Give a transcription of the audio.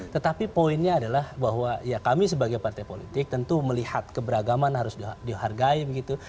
tetapi poinnya adalah bahwa ya kami sebagai partai politik tentu melihat keberagaman harus dihargai begitu